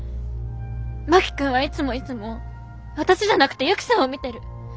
真木君はいつもいつも私じゃなくてユキさんを見てる。